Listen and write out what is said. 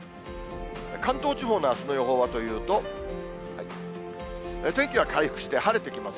関東地方のあすの予報はというと、天気は回復して、晴れてきます。